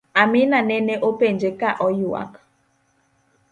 Amina nene openje ka oywak